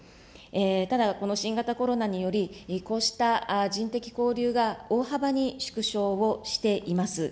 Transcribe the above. ただ、この新型コロナにより、こうした人的交流が大幅に縮小をしています。